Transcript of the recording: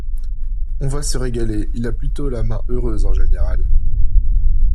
On va se régaler, il a plutôt la main heureuse, en général.